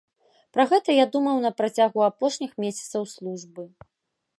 Пра гэта я думаў на працягу апошніх месяцаў службы.